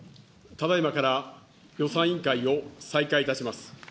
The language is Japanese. ただいまから予算委員会を再開いたします。